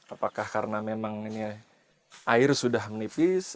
apakah karena memang ini air sudah menipis